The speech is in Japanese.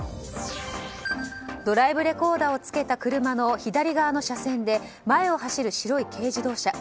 ドライブレコーダーをつけた車の左側の車線で前を走る白い軽自動車。